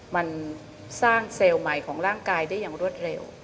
มันสร้างเซลล์ใหม่ของร่างกายได้อย่างรวดเร็ว